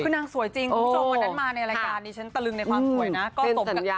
คือนางสวยจริงคุณผู้ชมวันนั้นมาในรายการนี้ฉันตะลึงในความสวยนะ